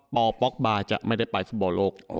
พลปล็อกบาร์กจะไม่ได้ไปฟุบัลโลก